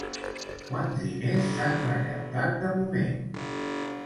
Quants diners s'han recaptat de moment?